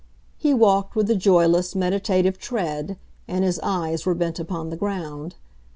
He walked with a joyless, meditative tread, and his eyes were bent upon the ground.